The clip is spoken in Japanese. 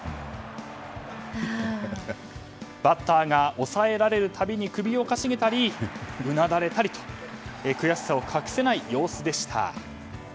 バッターが抑えられる度に首を傾げたりうなだれたりと悔しさを隠せない様子でした。